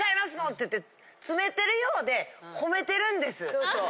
そうそう。